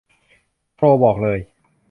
โทรบอกเลย